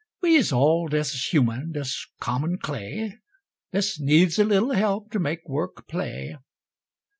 We's all des human, des common clay, Des needs a little help to make work play.